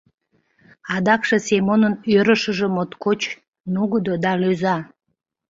Адакше Семонын ӧрышыжӧ моткоч нугыдо да лӧза.